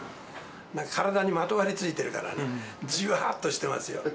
なんか体にまとわりついてるからね、じわーっとしてますよ。